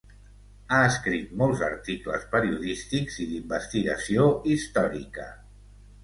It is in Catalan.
Ha escrit molts articles periodístics i d'investigació històrica.